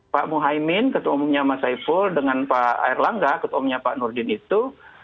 pak muhaymin ketua umumnya mas saiful dengan pak erlangga ketua umumnya pak nurdin itu